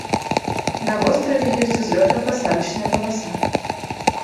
На востраве ёсць узлётна-пасадачная паласа.